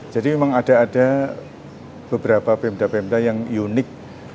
jadi memang ada ada beberapa pemda pemda yang unik